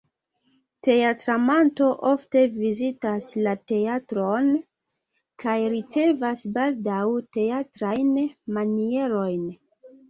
Teatramanto ofte vizitas la teatron kaj ricevas baldaŭ teatrajn manierojn.